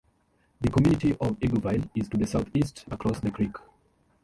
The community of Eagleville is to the southeast, across the creek.